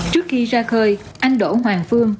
trước khi ra khơi anh đỗ hoàng phương